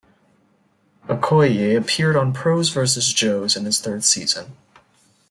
Okoye appeared on Pros versus Joes in its third season.